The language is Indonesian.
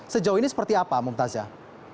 sejauh ini seperti apa mumtazah